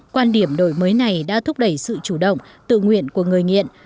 quan điểm đổi mới này đã thúc đẩy sự chủ động tự nguyện của người nghiện